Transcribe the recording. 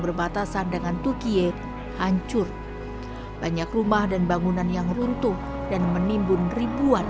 berbatasan dengan turkiye hancur banyak rumah dan bangunan yang runtuh dan menimbun ribuan